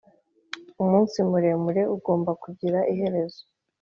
umunsi muremure ugomba kugira iherezo